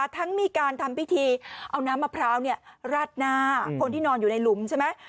ทั้งมีการทำพิธีเอาน้ำมะพร้าวราดหน้าคนที่นอนอยู่ในหลุมใช่ไหม